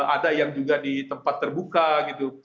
ada yang juga di tempat terbuka gitu